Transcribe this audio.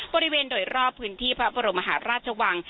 บริเวณโดยรอบพื้นที่พระบรมหาราชวัง